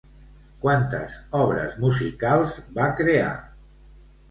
Quantes obres musicals va crear?